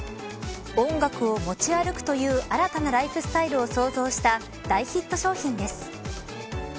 音楽を持ち歩くという新たなライフスタイルを創造した大ヒット商品です。